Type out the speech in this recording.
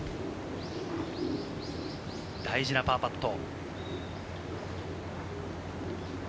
大事なパーパット。